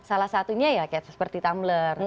salah satunya ya seperti tumbler